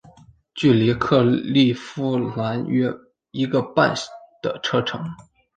距离克利夫兰约一小时半的车程。